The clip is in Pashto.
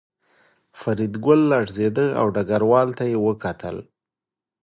فریدګل لړزېده او ډګروال ته یې وکتل